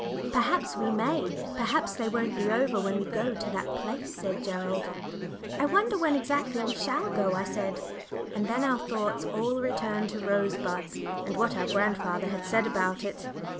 "Perhaps we may perhaps they won't be over when we go to that place," said Gerald. "I wonder when exactly we shall go?" I said. And then our thoughts all returned to Rosebuds, and what our grandfather had said about it.